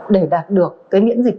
để đạt được miễn dịch